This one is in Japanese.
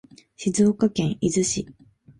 静岡県伊豆市